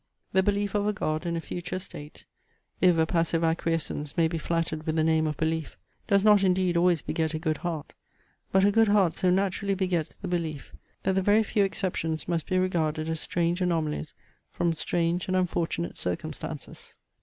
The belief of a God and a future state, (if a passive acquiescence may be flattered with the name of belief,) does not indeed always beget a good heart; but a good heart so naturally begets the belief, that the very few exceptions must be regarded as strange anomalies from strange and unfortunate circumstances.